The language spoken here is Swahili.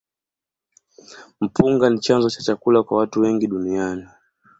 Mpunga ni chanzo cha chakula kwa watu wengi duniani.